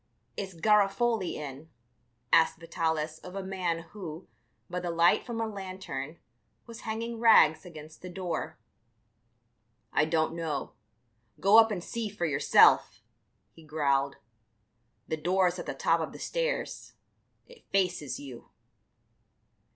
"Is Garofoli in?" asked Vitalis of a man who, by the light from a lantern, was hanging rags against the door. "I don't know; go up and see for yourself," he growled; "the door's at the top of the stairs; it faces you."